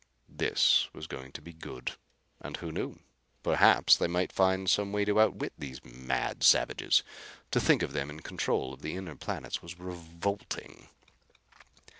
This was going to be good! And who knew? perhaps they might find some way to outwit these mad savages. To think of them in control of the inner planets was revolting.